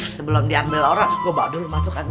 sebelum diambil orang gue bawa dulu masuk kan ya